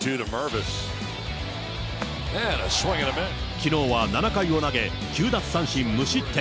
きのうは７回を投げ、９奪三振無失点。